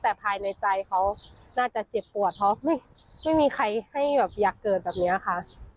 แต่ภายในใจเขาน่าจะเจ็บปวดเพราะไม่มีใครให้แบบอยากเกิดแบบนี้ค่ะ